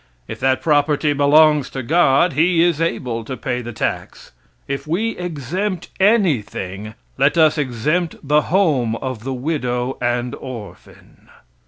If that property belongs to God, He is able to pay the tax. If we exempt anything, let us exempt the home of the widow and orphan.